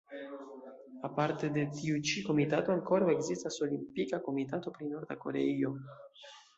Aparte de tiu-ĉi komitato, ankoraŭ ekzistas Olimpika Komitato pri Norda Koreio.